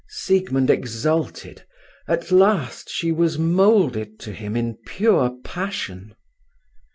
Siegmund exulted. At last she was moulded to him in pure passion.